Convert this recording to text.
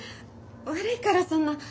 悪いからそんな。